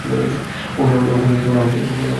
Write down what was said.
ওখানে আমাদের কোন কোন সদস্য আছে?